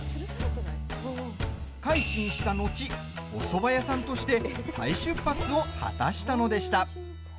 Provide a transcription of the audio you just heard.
改心した後おそば屋さんとして再出発を果たしたのでした。